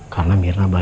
karena mira berdua